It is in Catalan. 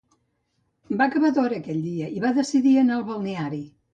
Va acabar d'hora aquell dia i va decidir anar al balneari.